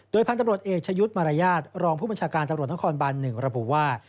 พันธุ์ตำรวจเอกชะยุทธ์มารยาทรองผู้บัญชาการตำรวจนครบัน๑ระบุว่า